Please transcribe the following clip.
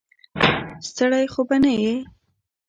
ستړی خو به نه یې.